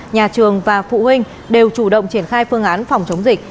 nhà trường và phụ huynh đều chủ động triển khai phương án phòng chống dịch